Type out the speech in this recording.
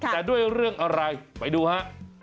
แต่ด้วยเรื่องอะไรไปดูฮะ